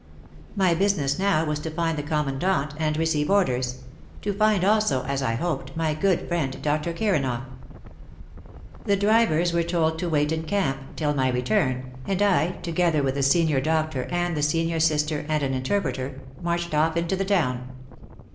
My business now was to find the Commandant and receive orders — to find also, as I hoped, my good friend Dr. Kiranoff. The drivers were told to wait in camp till my return, and I, together with the senior doctor and the senior sister and an interpreter, marched off into the town.